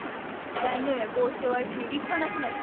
大名や豪商を相手に立派な商いをしてる。